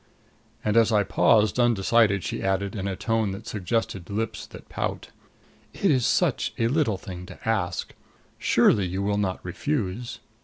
And as I paused, undecided, she added, in a tone which suggested lips that pout: "It is such a little thing to ask surely you will not refuse."